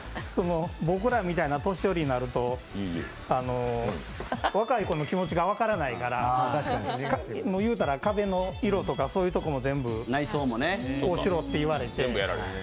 僕らみたいな年寄りになると若い子の気持ちが分からないから言うたら壁の色とかそういうところも全部こうしろって言われて。